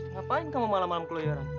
ngapain kamu malam malam keliaran